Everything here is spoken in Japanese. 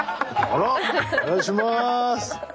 お願いします！